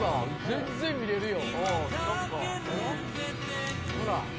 全然見れるよ。